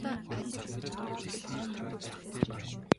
Тэр миний үгийг сонсоод доош суулаа.